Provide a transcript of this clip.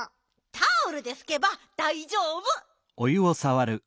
タオルでふけばだいじょうぶ！